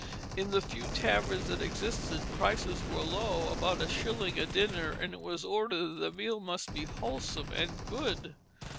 In the few taverns that existed prices were low, about a shilling a dinner; and it was ordered that the meal must be wholesome and good.